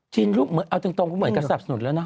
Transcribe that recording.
จีนเอาตรงเหมือนกับสนับสนุนแล้วนะ